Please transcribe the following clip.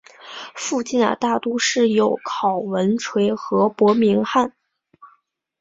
附近的大都市有考文垂和伯明翰。